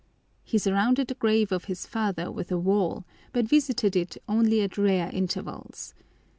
He surrounded the grave of his father with a wall, but visited it only at rare intervals.